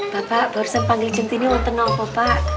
bapak baru saya panggil jentini untuk novo pak